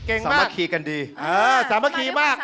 เอ่อสามัคคีมาก